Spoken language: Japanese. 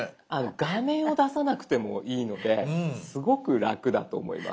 画面を出さなくてもいいのですごく楽だと思います。